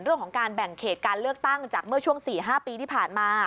เรื่องของการแบ่งเขตการเลือกตั้งจากเมื่อช่วง๔๕ปีที่ผ่านมา